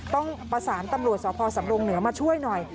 ต้องประสานตำรวจสพสำรงเหนือมาช่วยหน่อย